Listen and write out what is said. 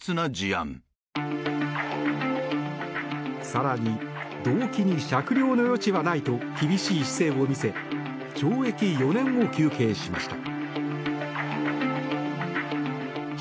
更に動機に酌量の余地はないと厳しい姿勢を見せ懲役４年を求刑しました。